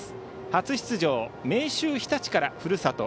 初出場、明秀日立からふるさと